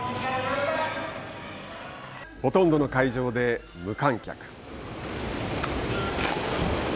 ほとんどの会場で無観客。